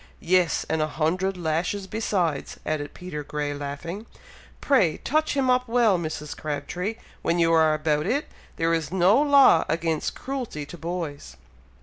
"Yes! and a hundred lashes besides!" added Peter Grey, laughing. "Pray touch him up well, Mrs. Crabtree, when you are about it. There is no law against cruelty to boys!"